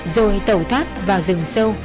rồi tẩu thoát vào rừng sâu